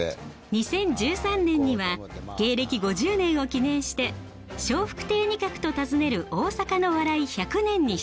２０１３年には芸歴５０年を記念して「笑福亭仁鶴と訪ねる大阪の笑い１００年」に出演。